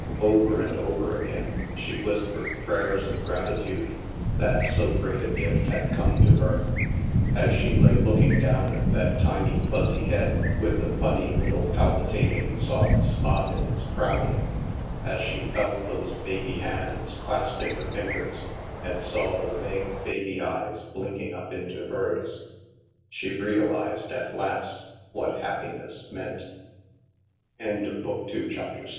Over and over again, she whispered prayers of gratitude that so great a gift had come to her. As she lay looking down at that tiny fuzzy head with the funny little palpitating soft spot in its crown, as she felt those baby hands clasping her fingers and saw the vague baby eyes blinking up into hers, she realized, at last, what happiness meant, CHAPTER VII Mother and baby re